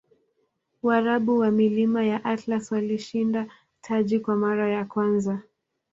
waarabu wa milima ya atlas walishinda taji kwa mara ya kwanza